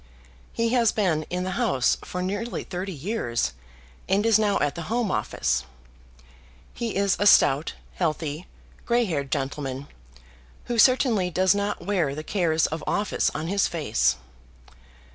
He has been in the House for nearly thirty years, and is now at the Home Office. He is a stout, healthy, grey haired gentleman, who certainly does not wear the cares of office on his face.